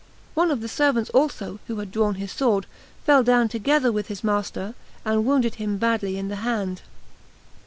One of the servants also, who had drawn his sword, fell down together with his master, and wounded him badly in the hand.